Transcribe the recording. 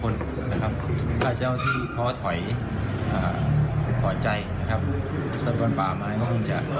แล้วก็เจ้าที่ทุกนายผู้ผมพร้อมเสมอ